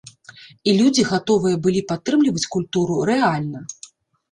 І людзі гатовыя былі падтрымліваць культуру рэальна!